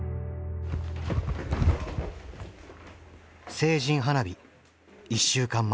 成人花火１週間前。